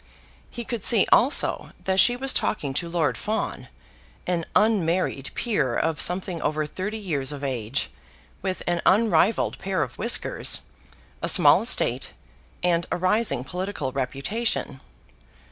He could see, also, that she was talking to Lord Fawn, an unmarried peer of something over thirty years of age, with an unrivalled pair of whiskers, a small estate, and a rising political reputation.